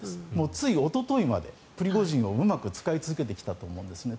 ついおとといまでプリゴジンをうまく使い続けたと思うんです。